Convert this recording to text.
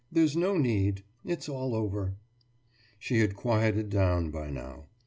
There's no need.... It's all over.« She had quieted down by now.